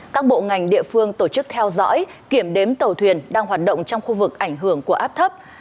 các bộ ngành địa phương tổ chức theo dõi kiểm đếm tàu thuyền đang hoạt động trong khu vực ảnh hưởng của áp thấp